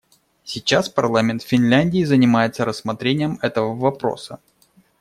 Сейчас парламент Финляндии занимается рассмотрением этого вопроса.